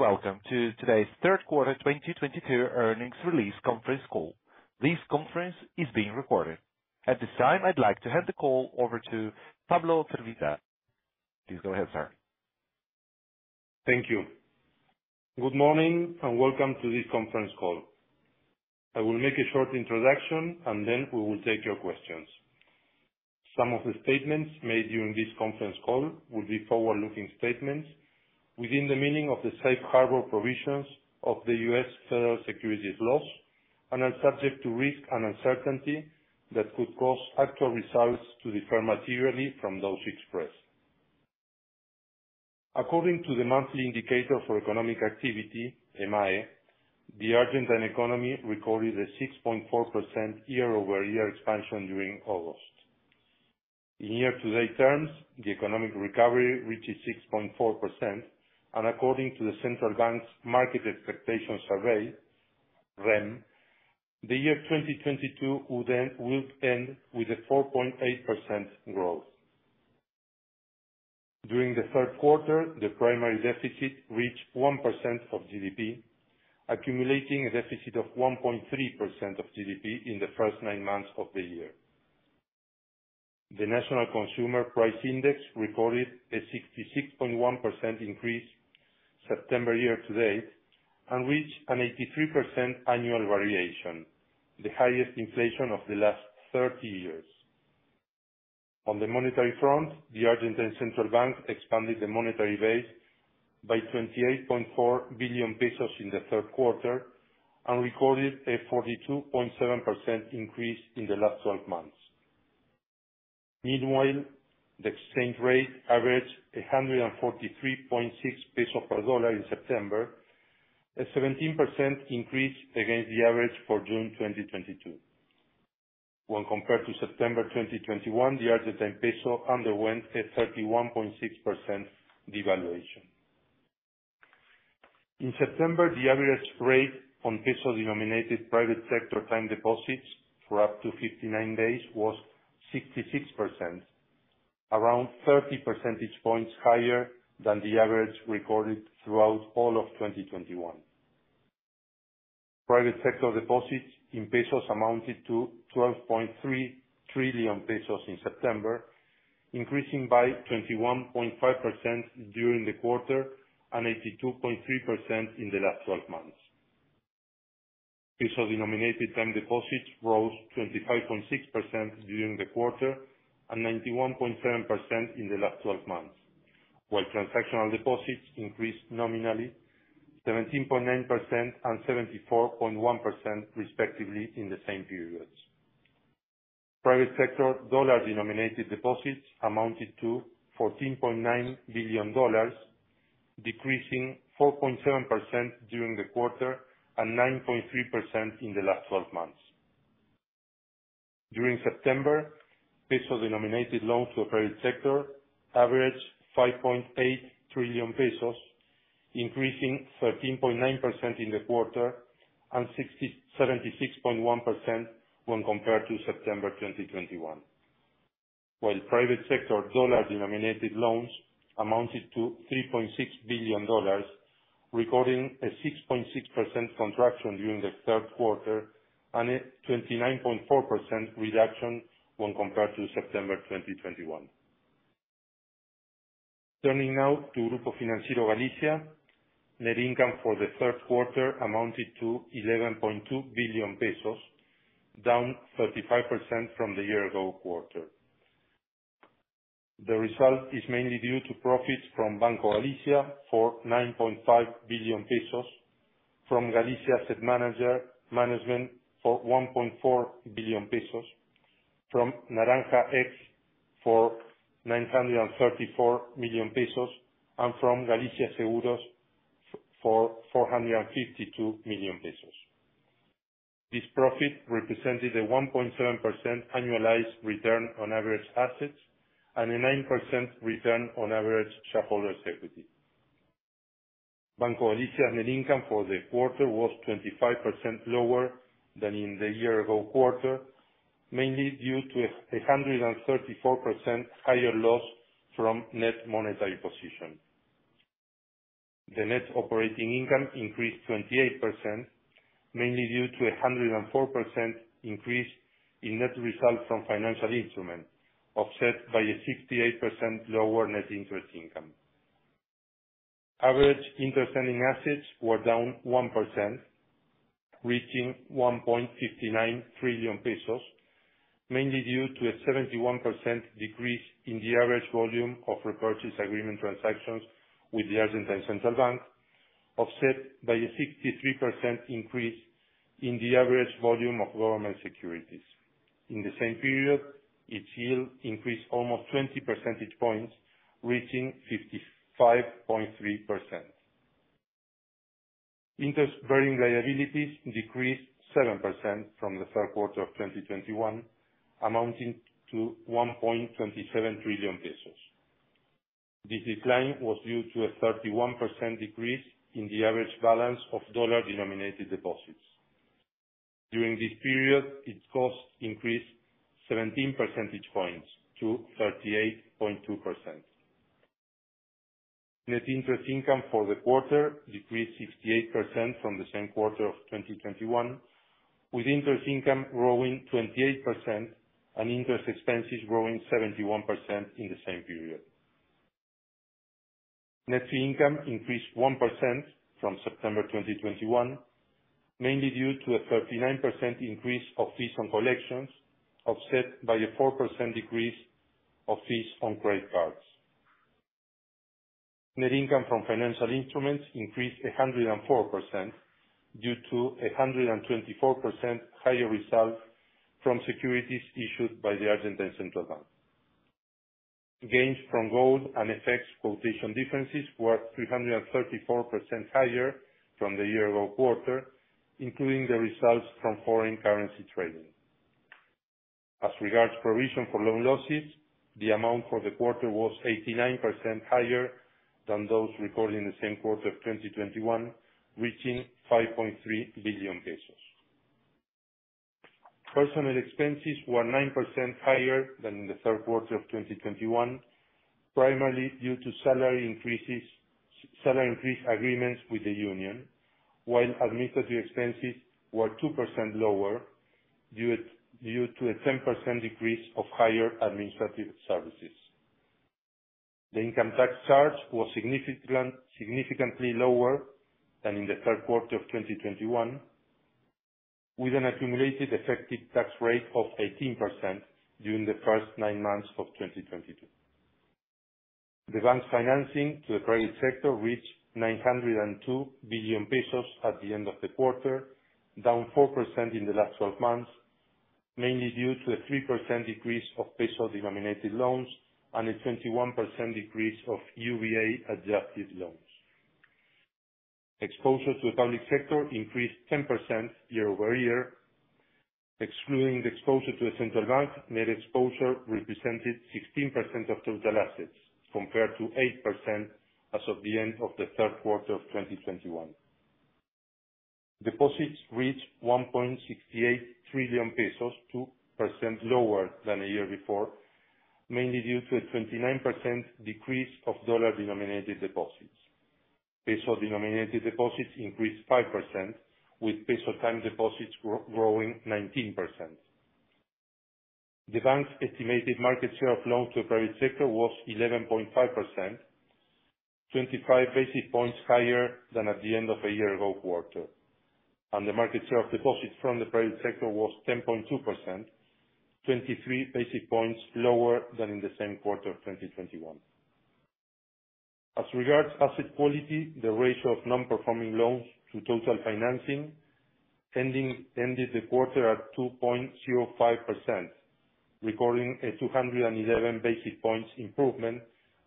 Welcome to today's third quarter 2022 earnings release conference call. This conference is being recorded. At this time, I'd like to hand the call over to Pablo Firvida. Please go ahead, sir. Thank you. Good morning, and welcome to this conference call. I will make a short introduction, and then we will take your questions. Some of the statements made during this conference call will be forward-looking statements within the meaning of the safe harbor provisions of the U.S. federal securities laws, and are subject to risk and uncertainty that could cause actual results to differ materially from those expressed. According to the Monthly Indicator for Economic Activity, MIA, the Argentine economy recorded a 6.4% year-over-year expansion during August. In year-to-date terms, the economic recovery reached 6.4%. According to the Central Bank's Market Expectations Survey, REM, the year 2022 will end with a 4.8% growth. During the third quarter, the primary deficit reached 1% of GDP, accumulating a deficit of 1.3% of GDP in the first nine months of the year. The National Consumer Price Index recorded a 66.1% increase September year-to-date, and reached an 83% annual variation, the highest inflation of the last 30 years. On the monetary front, the Argentine Central Bank expanded the monetary base by 28.4 billion pesos in the third quarter, and recorded a 42.7% increase in the last 12 months. Meanwhile, the exchange rate averaged 143.6 pesos per dollar in September, a 17% increase against the average for June 2022. When compared to September 2021, the Argentine peso underwent a 31.6% devaluation. In September, the average rate on peso-denominated private sector time deposits for up to 59 days was 66%, around 30 percentage points higher than the average recorded throughout all of 2021. Private sector deposits in pesos amounted to 12.3 trillion pesos in September, increasing by 21.5% during the quarter and 82.3% in the last 12 months. Peso-denominated time deposits rose 25.6% during the quarter and 91.7% in the last 12 months, while transactional deposits increased nominally 17.9% and 74.1% respectively in the same periods. Private sector dollar-denominated deposits amounted to $14.9 billion, decreasing 4.7% during the quarter and 9.3% in the last 12 months. During September, peso-denominated loans to the private sector averaged 5.8 trillion pesos, increasing 13.9% in the quarter and 76.1% when compared to September 2021. Private sector dollar-denominated loans amounted to $3.6 billion, recording a 6.6% contraction during the third quarter and a 29.4% reduction when compared to September 2021. Turning now to Grupo Financiero Galicia. Net income for the third quarter amounted to 11.2 billion pesos, down 35% from the year ago quarter. The result is mainly due to profits from Banco Galicia for 9.5 billion pesos, from Galicia Asset Management for 1.4 billion pesos, from Naranja X for 934 million pesos, and from Galicia Seguros for 452 million pesos. This profit represented a 1.7% annualized return on average assets and a 9% return on average shareholder's equity. Banco Galicia net income for the quarter was 25% lower than in the year ago quarter, mainly due to a 134% higher loss from net monetary position. The net operating income increased 28%, mainly due to a 104% increase in net results from financial instruments, offset by a 68% lower net interest income. Average interest-earning assets were down 1%, reaching 1.59 trillion pesos, mainly due to a 71% decrease in the average volume of repurchase agreement transactions with the Argentine Central Bank, offset by a 63% increase in the average volume of government securities. In the same period, its yield increased almost 20 percentage points, reaching 55.3%. Interest-bearing liabilities decreased 7% from the third quarter of 2021, amounting to 1.27 trillion pesos. This decline was due to a 31% decrease in the average balance of dollar-denominated deposits. During this period, its cost increased 17 percentage points to 38.2%. Net interest income for the quarter decreased 68% from the same quarter of 2021, with interest income growing 28% and interest expenses growing 71% in the same period. Net fee income increased 1% from September 2021, mainly due to a 39% increase of fees on collections, offset by a 4% decrease of fees on credit cards. Net income from financial instruments increased 104% due to 124% higher results from securities issued by the Argentine Central Bank. Gains from gold and FX quotation differences were 334% higher from the year-ago quarter, including the results from foreign currency trading. As regards provision for loan losses, the amount for the quarter was 89% higher than those recorded in the same quarter of 2021, reaching ARS 5.3 billion. Personnel expenses were 9% higher than in the third quarter of 2021, primarily due to salary increases, salary increase agreements with the union. Administrative expenses were 2% lower due to a 10% decrease of higher administrative services. The income tax charge was significantly lower than in the third quarter of 2021, with an accumulated effective tax rate of 18% during the first nine months of 2022. The bank's financing to the private sector reached 902 billion pesos at the end of the quarter, down 4% in the last twelve months, mainly due to a 3% decrease of peso-denominated loans and a 21% decrease of UVA-adjusted loans. Exposure to the public sector increased 10% year-over-year. Excluding the exposure to the Central Bank, net exposure represented 16% of total assets, compared to 8% as of the end of the third quarter of 2021. Deposits reached 1.68 trillion pesos, 2% lower than a year before, mainly due to a 29% decrease of USD-denominated deposits. Peso-denominated deposits increased 5%, with peso time deposits growing 19%. The bank's estimated market share of loans to the private sector was 11.5%, 25 basis points higher than at the end of a year-ago quarter. The market share of deposits from the private sector was 10.2%, 23 basis points lower than in the same quarter of 2021. As regards asset quality, the ratio of non-performing loans to total financing ended the quarter at 2.05%, recording a 211 basis points improvement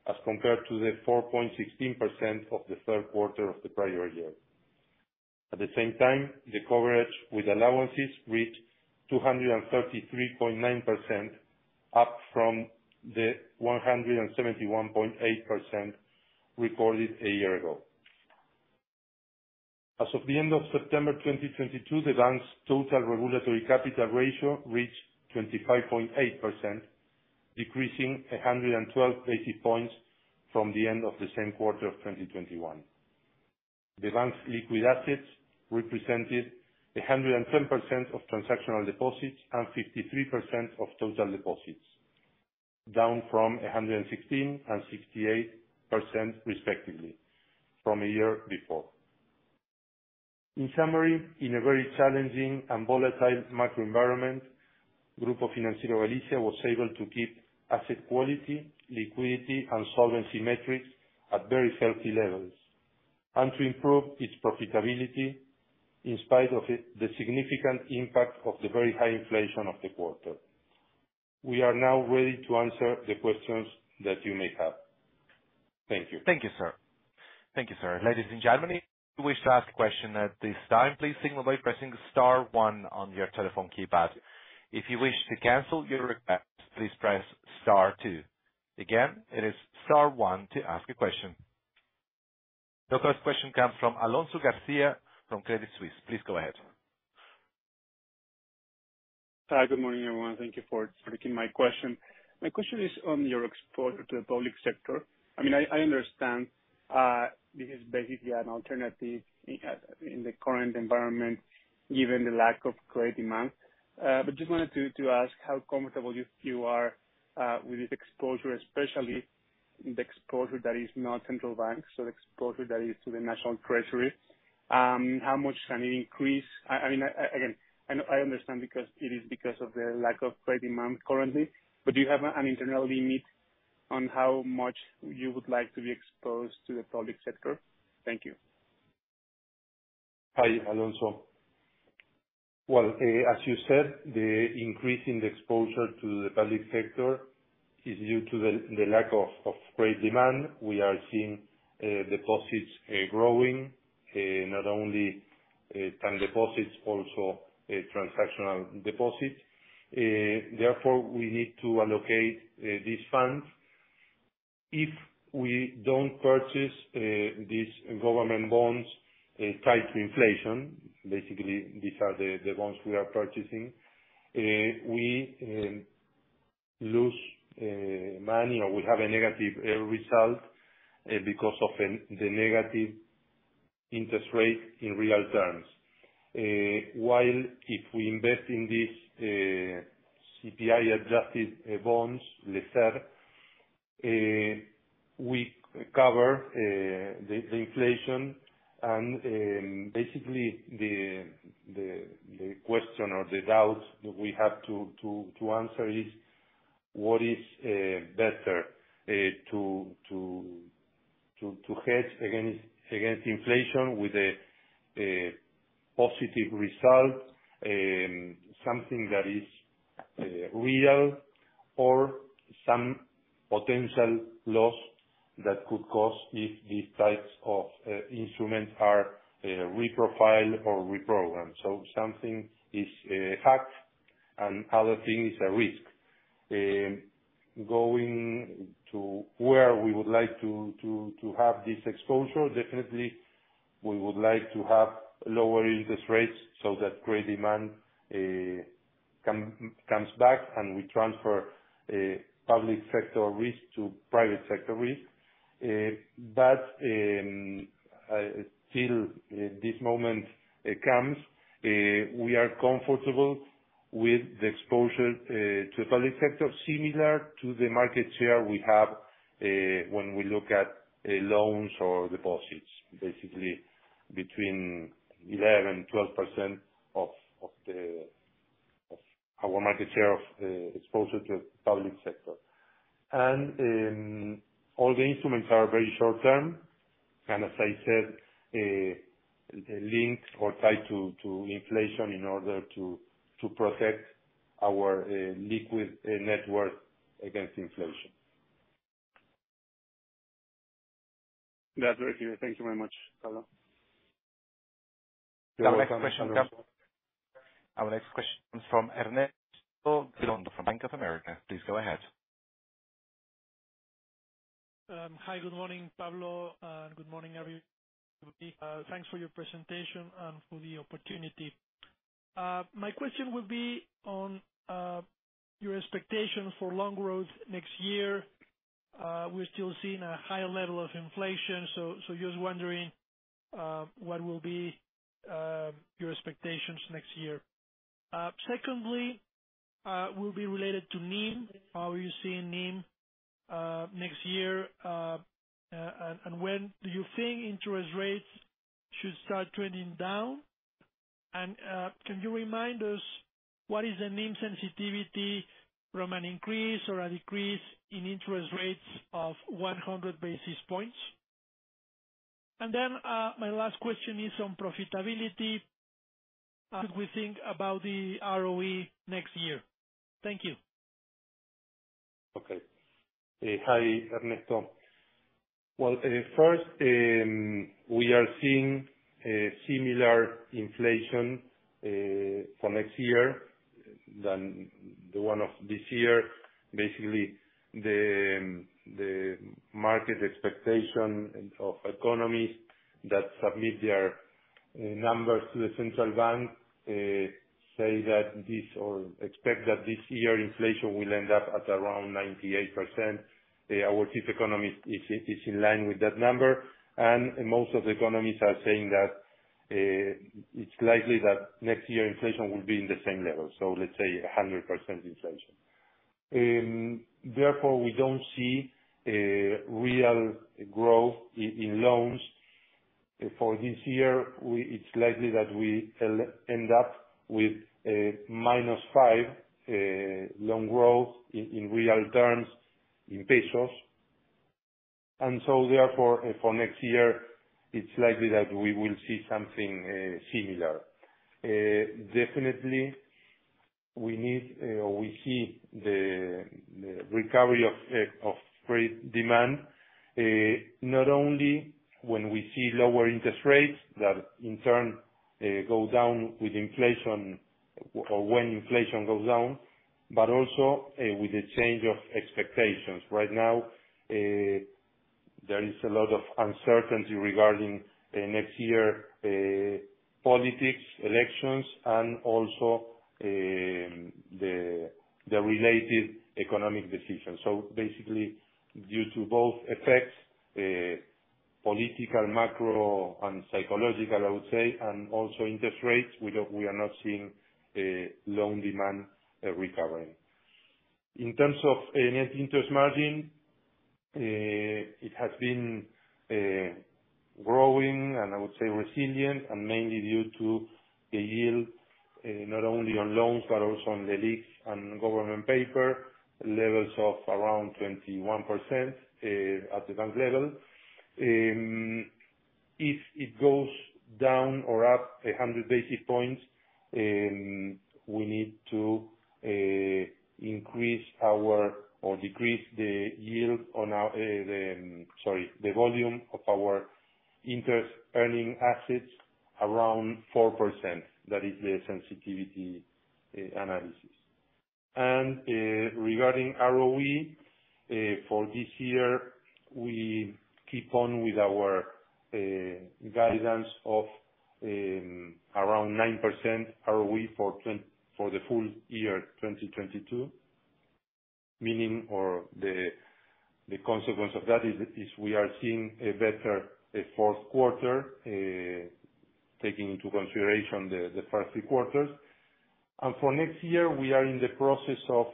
as compared to the 4.16% of the third quarter of the prior year. At the same time, the coverage with allowances reached 233.9%, up from the 171.8% recorded a year ago. As of the end of September 2022, the bank's total regulatory capital ratio reached 25.8%, decreasing 112 basis points from the end of the same quarter of 2021. The bank's liquid assets represented 110% of transactional deposits and 53% of total deposits, down from 116% and 68% respectively from a year before. In summary, in a very challenging and volatile macro environment, Grupo Financiero Galicia was able to keep asset quality, liquidity, and solvency metrics at very healthy levels, and to improve its profitability in spite of the significant impact of the very high inflation of the quarter. We are now ready to answer the questions that you may have. Thank you. Thank you, sir. Thank you, sir. Ladies and gentlemen, if you wish to ask a question at this time, please signal by pressing star one on your telephone keypad. If you wish to cancel your request, please press star two. Again, it is star one to ask a question. The first question comes from Alonso Garcia from Credit Suisse. Please go ahead. Hi, good morning, everyone. Thank you for taking my question. My question is on your exposure to the public sector. I mean, I understand, this is basically an alternative in the current environment, given the lack of credit demand. just wanted to ask how comfortable you are with this exposure, especially the exposure that is not Central Bank, so the exposure that is to the national treasury. How much can it increase? I mean, again, I understand because it is because of the lack of credit demand currently, but do you have an internal limit on how much you would like to be exposed to the public sector? Thank you. Hi, Alonso. Well, as you said, the increase in the exposure to the public sector is due to the lack of credit demand. We are seeing deposits growing not only time deposits, also transactional deposits. Therefore, we need to allocate these funds. If we don't purchase these government bonds tied to inflation, basically these are the ones we are purchasing, we lose money or we have a negative result because of the negative interest rate in real terms. While if we invest in this CPI-adjusted bonds, we cover the inflation and basically the question or the doubt that we have to answer is: What is better to hedge against inflation with a positive result, something that is real or some potential loss that could cause if these types of instruments are reprofiled or reprogrammed? Something is fact and other thing is a risk. Going to where we would like to have this exposure, definitely we would like to have lower interest rates so that credit demand comes back and we transfer public sector risk to private sector risk. Still this moment comes, we are comfortable with the exposure to public sector, similar to the market share we have, when we look at loans or deposits, basically between 11%-12% of our market share of exposure to public sector. All the instruments are very short term, and as I said, linked or tied to inflation in order to protect our liquid net worth against inflation. That's very clear. Thank you very much, Pablo. Our next question comes. You're welcome. Our next question comes from Ernesto from Bank of America. Please, go ahead. Hi, good morning, Pablo, and good morning, everybody. Thanks for your presentation and for the opportunity. My question would be on your expectation for loan growth next year. We're still seeing a high level of inflation, so just wondering what will be your expectations next year. Secondly, will be related to NIM. How are you seeing NIM next year? When do you think interest rates should start trending down? Can you remind us what is the NIM sensitivity from an increase or a decrease in interest rates of 100 basis points? My last question is on profitability. How do we think about the ROE next year? Thank you. Okay. Hi, Ernesto. Well, first, we are seeing a similar inflation for next year than the one of this year. Basically, the market expectation of economies that submit their numbers to the Central Bank say that this or expect that this year inflation will end up at around 98%. Our chief economist is in line with that number. Most of the economists are saying that it's likely that next year inflation will be in the same level, so let's say 100% inflation. Therefore, we don't see a real growth in loans for this year. It's likely that we end up with a -5% loan growth in real terms in pesos. Therefore, for next year, it's likely that we will see something similar. Definitely we need, we see the recovery of credit demand, not only when we see lower interest rates that in turn, go down with inflation or when inflation goes down, but also, with the change of expectations. Right now, there is a lot of uncertainty regarding next year, politics, elections, and also, the related economic decisions. Basically, due to both effects, political, macro, and psychological, I would say, and also interest rates, we don't, we are not seeing loan demand recovering. In terms of net interest margin, it has been growing and I would say resilient, and mainly due to the yield, not only on loans, but also on the LELIQs and government paper, levels of around 21% at the bank level. If it goes down or up 100 basis points, we need to increase or decrease the volume of our Interest earning assets around 4%. That is the sensitivity analysis. Regarding ROE, for this year, we keep on with our guidance of around 9% ROE for the full year 2022. Meaning the consequence of that is we are seeing a better fourth quarter, taking into consideration the first three quarters. For next year we are in the process of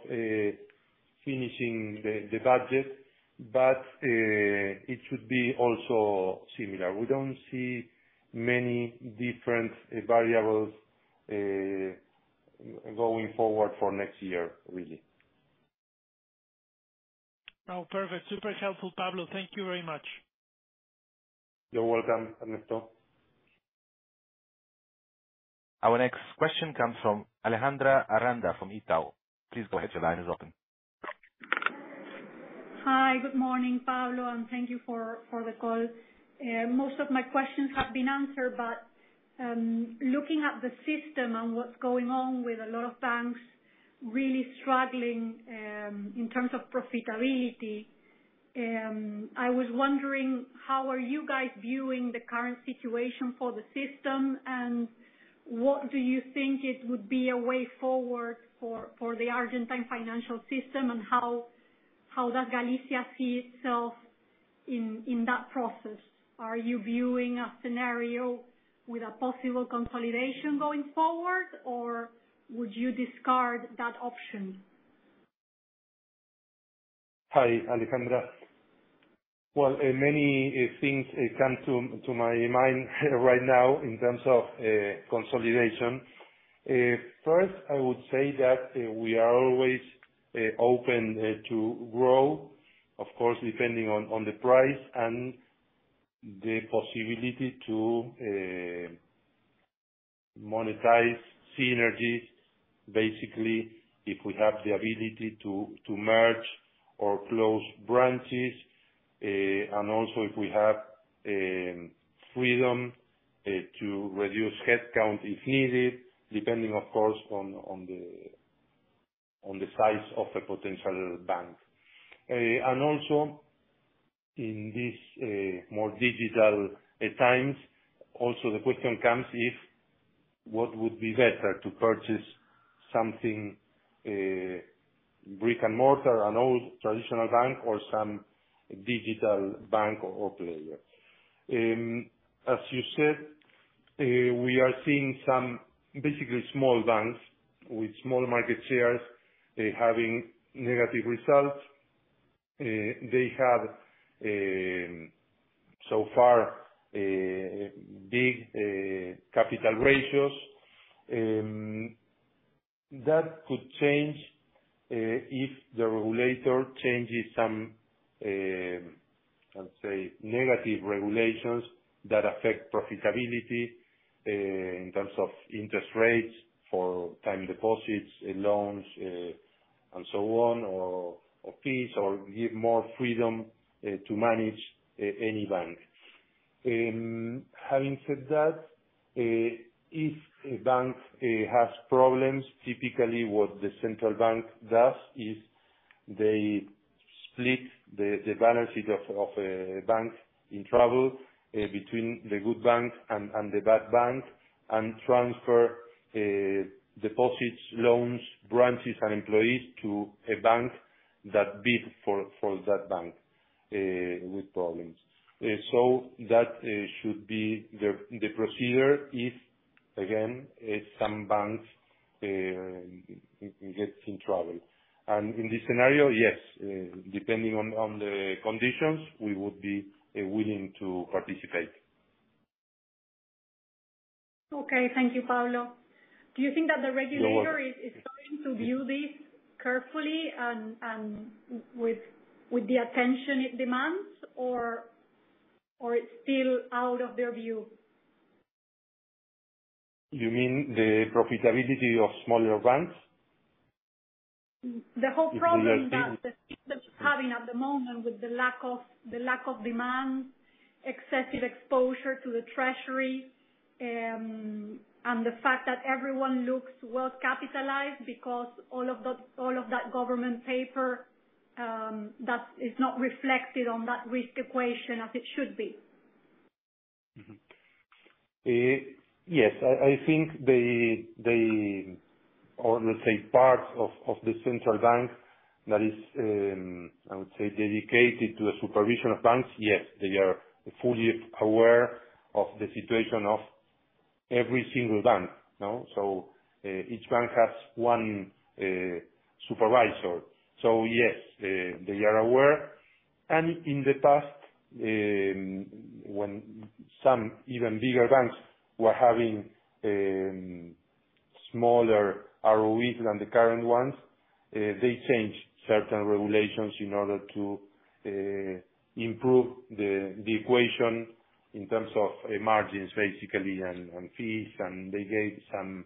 finishing the budget, it should be also similar. We don't see many different variables going forward for next year, really. Oh, perfect. Super helpful, Pablo. Thank you very much. You're welcome, Ernesto. Our next question comes from Alejandra Aranda from Itaú. Please go ahead, your line is open. Hi. Good morning, Pablo, and thank you for the call. Most of my questions have been answered. Looking at the system and what's going on with a lot of banks really struggling in terms of profitability, I was wondering, how are you guys viewing the current situation for the system, and what do you think it would be a way forward for the Argentine financial system and how does Galicia see itself in that process? Are you viewing a scenario with a possible consolidation going forward, or would you discard that option? Hi, Alejandra. Well, many things come to my mind right now in terms of consolidation. First, I would say that we are always open to grow, of course, depending on the price and the possibility to monetize synergies. Basically, if we have the ability to merge or close branches, and also if we have freedom to reduce headcount if needed, depending, of course, on the size of a potential bank. And also in this more digital times, also the question comes if what would be better to purchase something brick and mortar, an old traditional bank or some digital bank or player. As you said, we are seeing some basically small banks with small market shares having negative results. They have so far big capital ratios that could change if the regulator changes some, let's say, negative regulations that affect profitability in terms of interest rates for time deposits, loans, and so on, or fees, or give more freedom to manage any bank. Having said that, if a bank has problems, typically what the Central Bank does is they split the balances of a bank in trouble between the good bank and the bad bank, and transfer deposits, loans, branches and employees to a bank that bid for that bank with problems. That should be the procedure if again some banks gets in trouble. In this scenario, yes, depending on the conditions, we would be willing to participate. Okay. Thank you, Pablo. You're welcome. Do you think that the regulator is starting to view this carefully and with the attention it demands or it's still out of their view? You mean the profitability of smaller banks? The whole problem- If you are saying.... that the system is having at the moment with the lack of demand, excessive exposure to the treasury, and the fact that everyone looks well capitalized because all of that government paper, that is not reflected on that risk equation as it should be. Yes. I think they or let's say parts of the Central Bank that is, I would say dedicated to the supervision of banks, yes, they are fully aware of the situation of every single bank. No? Each bank has one supervisor. Yes, they are aware. In the past, when some even bigger banks were having smaller ROE than the current ones, they changed certain regulations in order to improve the equation in terms of margins basically, and fees, and they gave some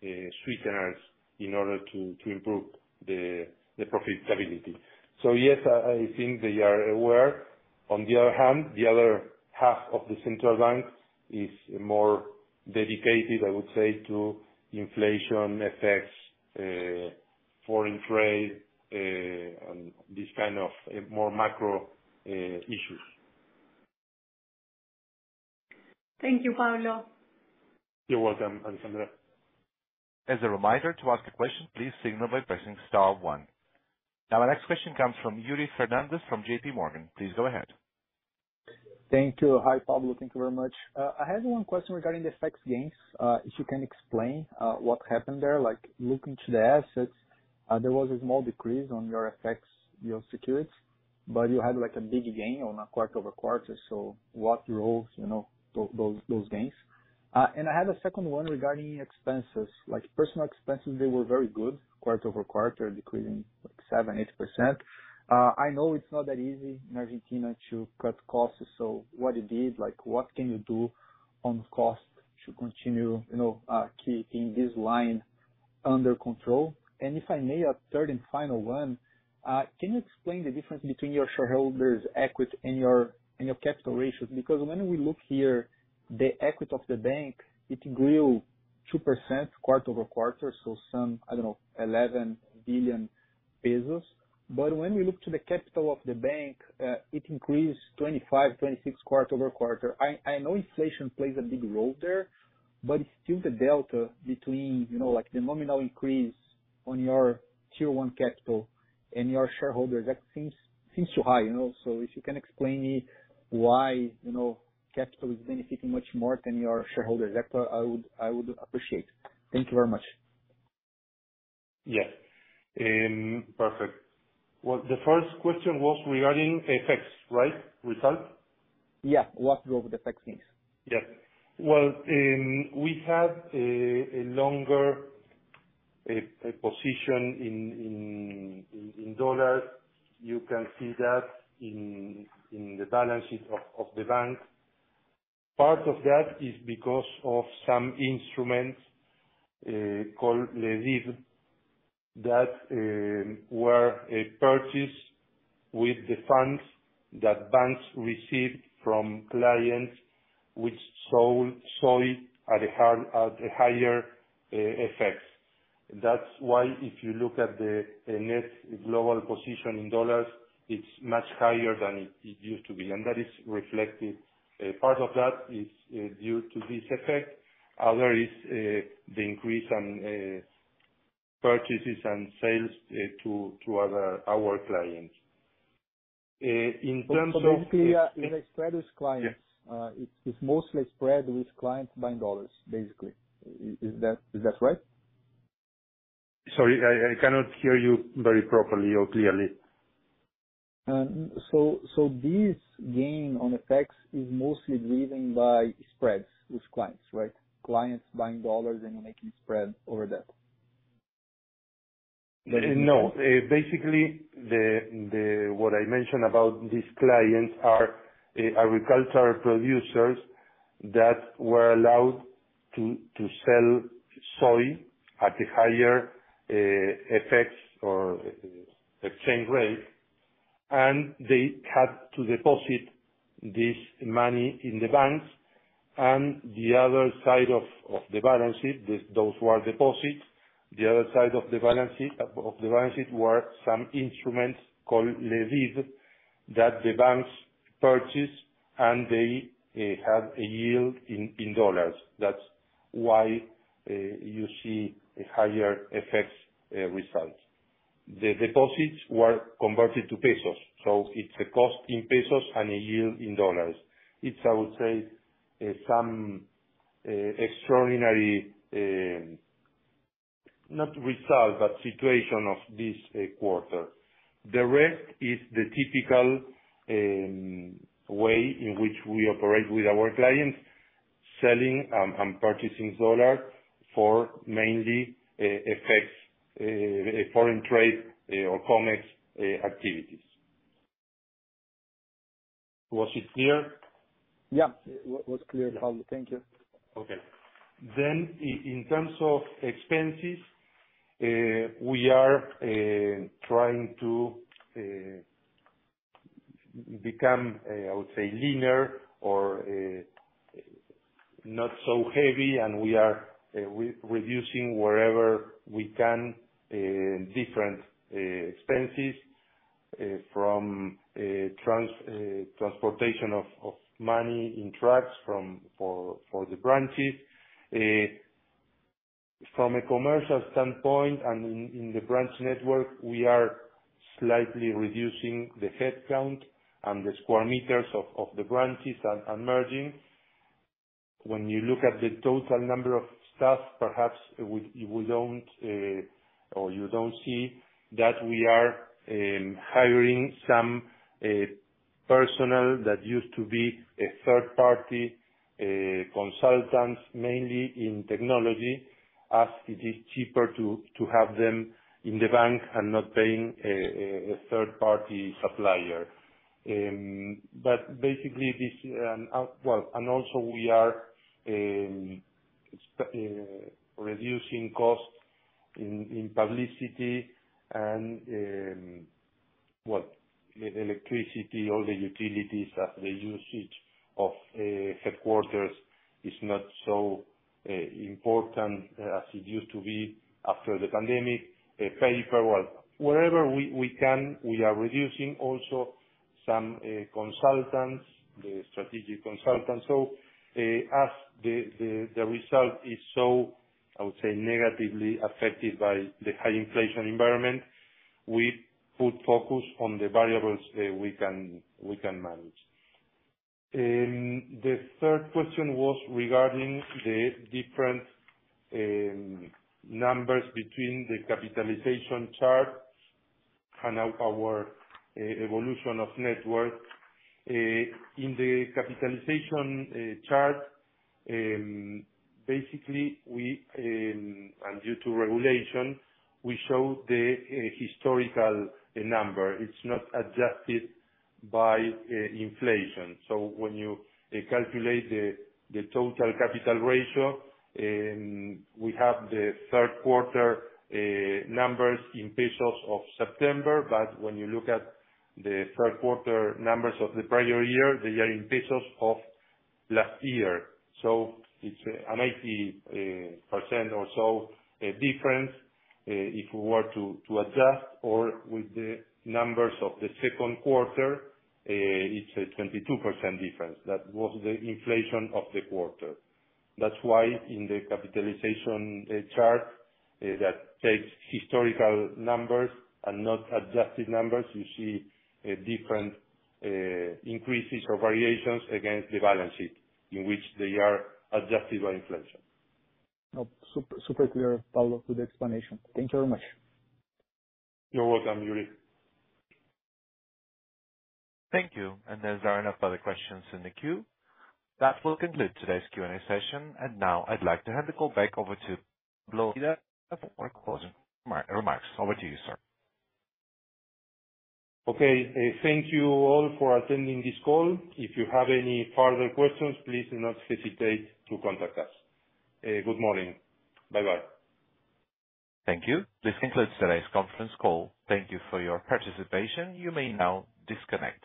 sweeteners in order to improve the profitability. Yes, I think they are aware. On the other hand, the other half of the Central Bank is more dedicated, I would say, to inflation effects, foreign trade, and this kind of more macro issues. Thank you, Pablo. You're welcome, Alejandra Aranda. As a reminder, to ask a question, please signal by pressing star one. Our next question comes from Yuri Fernandes from JPMorgan. Please go ahead. Thank you. Hi, Pablo. Thank you very much. I had 1 question regarding the FX gains. If you can explain what happened there. Like, looking to the assets, there was a small decrease on your FX, your securities, but you had like a big gain on a quarter-over-quarter. What drove, you know, those gains? I had a 2nd one regarding expenses. Like, personal expenses, they were very good quarter-over-quarter, decreasing like 7%, 8%. I know it's not that easy in Argentina to cut costs. What you did, like what can you do on cost to continue, you know, keeping this line under control? If I may, a 3rd and final one, can you explain the difference between your shareholders' equity and your capital ratios? When we look here, the equity of the bank, it grew 2% quarter-over-quarter, so some, I don't know, 11 billion pesos. When we look to the capital of the bank, it increased 25%-26% quarter-over-quarter. I know inflation plays a big role there, but still the delta between, you know, like the nominal increase on your Tier 1 capital and your shareholder, that seems too high, you know? If you can explain me why, you know, capital is benefiting much more than your shareholder equity, I would appreciate. Thank you very much. Yeah. Perfect. The first question was regarding FX, right? Result? Yeah. What drove the FX gains? Well, we had a longer position in dollars. You can see that in the balance sheet of the bank. Part of that is because of some instruments, called, that were a purchase with the funds that banks received from clients which sold soy at a higher FX. That's why if you look at the net global position in dollars, it's much higher than it used to be, and that is reflected. A part of that is due to this effect. Other is the increase on purchases and sales to our clients. In terms of- Basically, it spreads clients. Yes. It's mostly spread with clients buying dollars, basically. Is that right? Sorry, I cannot hear you very properly or clearly. This gain on FX is mostly driven by spreads with clients, right? Clients buying dollars and you're making spread over that. No. Basically, the what I mentioned about these clients are agricultural producers that were allowed to sell soy at a higher FX or exchange rate, and they had to deposit this money in the banks. The other side of the balance sheet, those who are deposits, the other side of the balance sheet were some instruments called that the banks purchased, and they had a yield in dollars. That's why you see a higher FX result. The deposits were converted to pesos. It's a cost in pesos and a yield in dollars. It's, I would say, some extraordinary, not result, but situation of this quarter. The rest is the typical way in which we operate with our clients, selling and purchasing dollars for mainly FX, foreign trade or commerce activities. Was it clear? Yeah. It was clear, Pablo. Thank you. In terms of expenses, we are trying to become, I would say linear or not so heavy, and we are reducing wherever we can, different expenses, from transportation of money in trucks for the branches. From a commercial standpoint and in the branch network, we are slightly reducing the headcount and the square meters of the branches and merging. When you look at the total number of staff, perhaps we don't, or you don't see that we are hiring some personnel that used to be a third party consultants, mainly in technology, as it is cheaper to have them in the bank and not paying a third party supplier. Basically this, well, and also we are reducing costs in publicity and electricity, all the utilities as the usage of headquarters is not so important as it used to be after the pandemic. Paper... Well, wherever we can, we are reducing also some consultants, the strategic consultants. As the result is so, I would say, negatively affected by the high inflation environment, we put focus on the variables, we can manage. The 3rd question was regarding the different numbers between the capitalization chart and our evolution of network. In the capitalization chart, basically we, and due to regulation, we show the historical number. It's not adjusted by inflation. When you calculate the total capital ratio, we have the 3rd quarter numbers in pesos of September. When you look at the 3rd quarter numbers of the prior year, they are in pesos of last year. It's a 90% or so difference if we were to adjust. With the numbers of the 2nd quarter, it's a 22% difference. That was the inflation of the quarter. That's why in the capitalization, chart, that takes historical numbers and not adjusted numbers, you see, different, increases or variations against the balance sheet in which they are adjusted by inflation. Super, super clear, Pablo, with the explanation. Thank you very much. You're welcome, Yuri. Thank you. As there are no further questions in the queue, that will conclude today's Q&A session. Now I'd like to hand the call back over to Pablo for closing remarks. Over to you, sir. Okay. Thank you all for attending this call. If you have any further questions, please do not hesitate to contact us. Good morning. Bye-bye. Thank you. This concludes today's conference call. Thank you for your participation. You may now disconnect.